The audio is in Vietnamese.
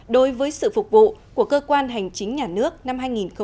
đối với sự phục vụ của cơ quan hành chính nhà nước năm hai nghìn một mươi tám